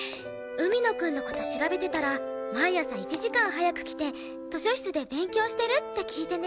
海野くんの事調べてたら毎朝１時間早く来て図書室で勉強してるって聞いてね。